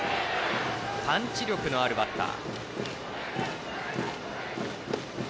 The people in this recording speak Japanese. パンチ力のあるバッター。